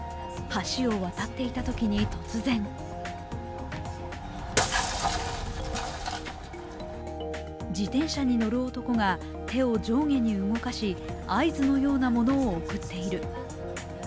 橋を渡っていたときに突然自転車に乗る男が、手を上下に動かし、合図のようなものを送っている。